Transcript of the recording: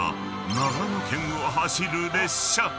［長野県を走る列車］